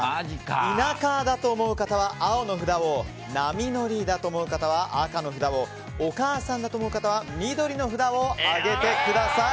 田舎だと思う方は青の札を波乗りだと思う方は赤の札をお母さんだと思う方は緑の札を上げてください。